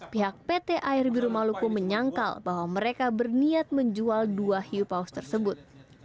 pihak pt air biru maluku menyangkal bahwa mereka berniat menjual dua hiu paus tersebut